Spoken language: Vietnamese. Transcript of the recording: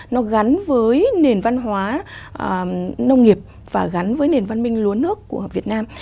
nó gắn với nền văn hóa nông nghiệp và gắn với nền văn minh lúa nước của việt nam